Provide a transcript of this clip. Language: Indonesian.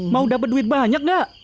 mau dapat duit banyak gak